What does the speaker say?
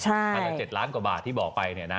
พันละ๗ล้านกว่าบาทที่บอกไป